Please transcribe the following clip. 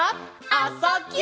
「あ・そ・ぎゅ」